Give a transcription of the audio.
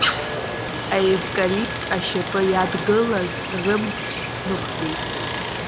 Аевкалипт ашьапы иадгылаз рымӡк снықәтәеит.